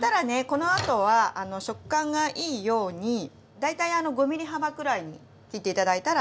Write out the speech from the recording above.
このあとは食感がいいように大体あの５ｍｍ幅くらいに切って頂いたら大丈夫です。